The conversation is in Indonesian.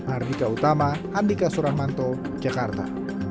ardika utama andika suramanto jakarta